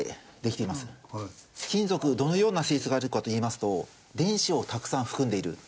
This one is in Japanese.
金属どのような性質があるかといいますと電子をたくさん含んでいる。